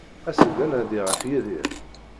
As-d ad nnadi ɣef Yidir.